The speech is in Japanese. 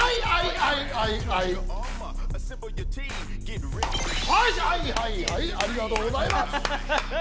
はいはいはいありがとうございます！